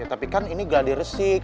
ya tapi kan ini ga diresik